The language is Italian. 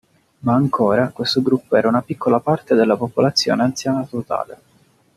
Ma ancora, questo gruppo era una piccola parte della popolazione anziana totale.